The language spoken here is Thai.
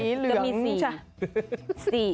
ก็มีสี่